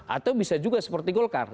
atau bisa juga seperti golkar